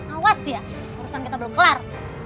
awas ya urusan kita belum kelar